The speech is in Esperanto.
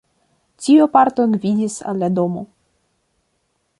Tiu parto gvidis al la domo.